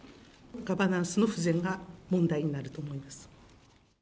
ガバナンスの不全が問題になると思います。